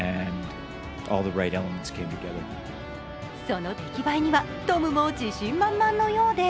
そのできばえにはトムも自信満々のようで